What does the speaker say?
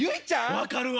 分かるわ。